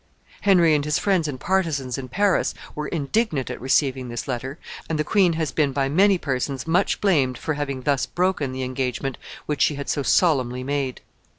Henry and his friends and partisans in Paris were indignant at receiving this letter, and the queen has been by many persons much blamed for having thus broken the engagement which she had so solemnly made.